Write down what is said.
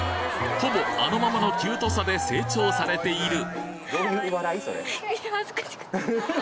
ほぼあのままのキュートさで成長されている！